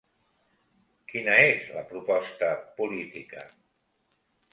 Quina és la proposta política?